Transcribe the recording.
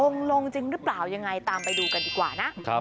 ลงจริงหรือเปล่ายังไงตามไปดูกันดีกว่านะ